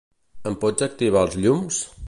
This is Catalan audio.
Ens pots activar els llums?